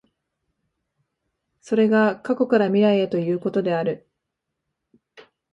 それが過去から未来へということである。